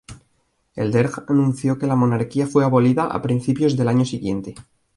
El Derg anunció que la monarquía fue abolida a principios del año siguiente.